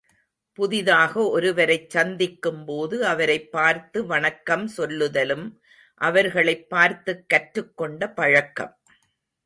புதிதாக ஒருவரைச் சந்திக்கும்போது அவரைப் பார்த்து வணக்கம் சொல்லுதலும் அவர்களைப் பார்த்துக் கற்றுக்கொண்ட பழக்கம்.